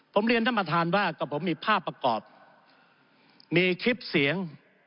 ผมเรียนท่านประธานว่ากับผมมีภาพประกอบมีคลิปเสียง